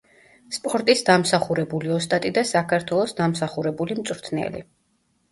სპორტის დამსახურებული ოსტატი და საქართველოს დამსახურებული მწვრთნელი.